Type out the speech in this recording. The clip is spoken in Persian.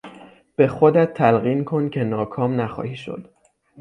به خودت تلقین کن که ناکام نخواهی شد.